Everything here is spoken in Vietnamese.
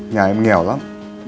nhà em nghèo lắm